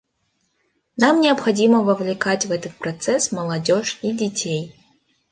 Нам необходимо вовлекать в этот процесс молодежь и детей.